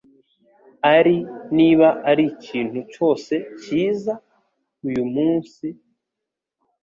Ari, niba arikintu cyose, cyiza uyu munsi.